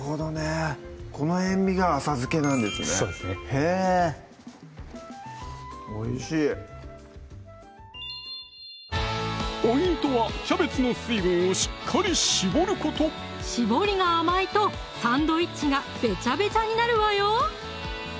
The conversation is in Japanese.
へぇおいしいポイントはキャベツの水分をしっかりしぼることしぼりが甘いとサンドイッチがベチャベチャになるわよ